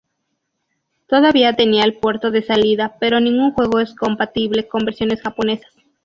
Todavía tenía el puerto de salida, pero ningún juego es compatible con versiones japonesas.